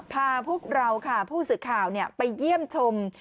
พาพวกเราค่ะผู้สื่อข่าวไปเยี่ยมชม